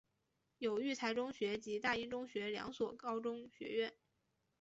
有育才中学及大英中学两所高中学院。